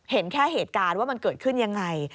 เห็นแค่เหตุการณ์ว่ามันเกิดขึ้นยังไง